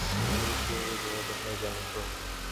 দুধ কীভাবে দোহাতে হয় জানো তো?